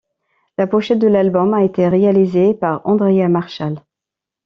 La pochette de l'album a été réalisée par Andreas Marschall.